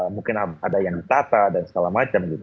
mungkin ada yang ditata dan segala macam gitu